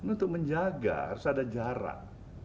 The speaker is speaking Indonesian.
untuk menjaga harus ada jarak